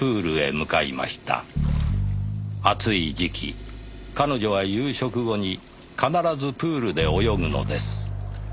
「暑い時期彼女は夕食後に必ずプールで泳ぐのです」